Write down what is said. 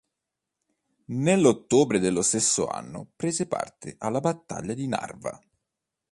Nell'ottobre dello stesso anno prese parte alla battaglia di Narva.